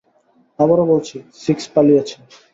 আবারও বলছি, সিক্স পালিয়েছে।